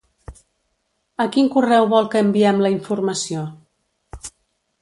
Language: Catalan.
A quin correu vol que enviem la informació?